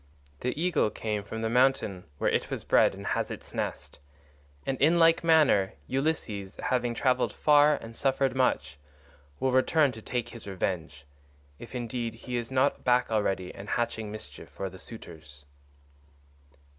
The eagle came from the mountain where it was bred and has its nest, and in like manner Ulysses, after having travelled far and suffered much, will return to take his revenge—if indeed he is not back already and hatching mischief for the suitors."